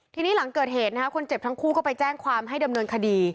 ทีนี้หลังเกิดเหตุคนเจ็บทั้งคู่ก็ไปแจ้งความให้ดำเนินคดี